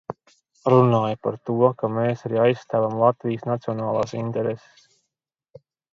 Runāja par to, ka mēs arī aizstāvam Latvijas nacionālās intereses.